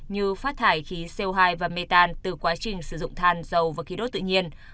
như phát thải khí co hai và mê tan từ quá trình sử dụng than dầu và khí đốt tự nhiên